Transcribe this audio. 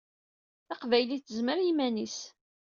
Taqbaylit tezmer i yiman-is!